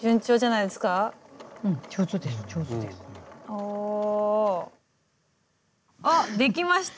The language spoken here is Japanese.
おお。あっできました！